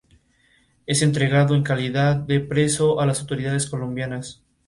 Es entregado en calidad de preso a las autoridades colombianas.